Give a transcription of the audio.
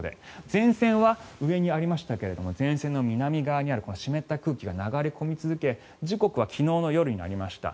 前線は上にありましたが前線の南側にあるこの湿った空気が流れ込み続け時刻は昨日の夜になりました。